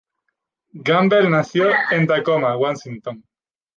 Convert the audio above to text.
Gamble nació en Tacoma, Washington.